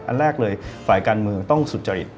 อันแรกเลยฝ่ายการเมืองต้องสุจริต